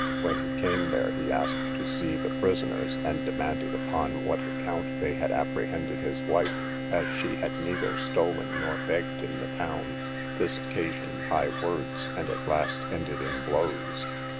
When he came there, he asked to see the prisoners, and demanded upon what account they had apprehended his wife, as she had neither stolen nor begged in the town: this occasioned high words, and at last ended in blows.